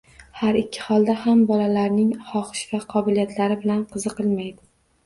Har ikki holda ham bolalarining xohish va qobiliyatlari bilan qiziqilmay